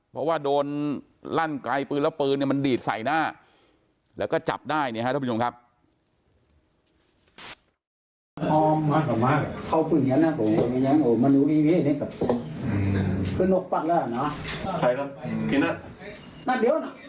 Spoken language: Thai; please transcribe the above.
เพราะว่าโดนลั่นไกลปืนแล้วปืนเนี่ยมันดีดใส่หน้าแล้วก็จับได้เนี่ยฮะท่านผู้ชมครับ